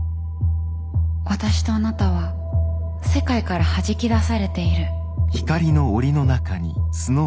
私とあなたは世界からはじき出されている。